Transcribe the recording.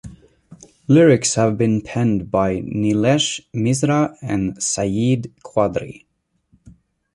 Lyrics have been penned by Neelesh Misra and Sayeed Quadri.